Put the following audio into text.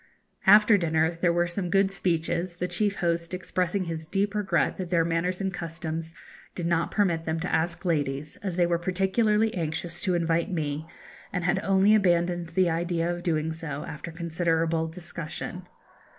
After dinner there were some good speeches, the chief host expressing his deep regret that their manners and customs did not permit them to ask ladies, as they were particularly anxious to invite me, and had only abandoned the idea of doing so after considerable discussion.